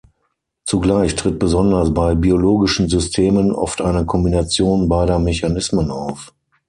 Zugleich tritt besonders bei biologischen Systemen oft eine Kombination beider Mechanismen auf.